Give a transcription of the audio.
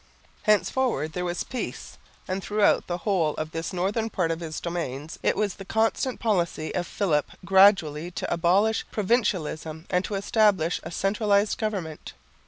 Henceforward there was peace; and throughout the whole of this northern part of his domains it was the constant policy of Philip gradually to abolish provincialism and to establish a centralised government.